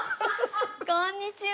こんにちは。